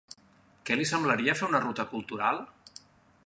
Què li semblaria fer una ruta cultural?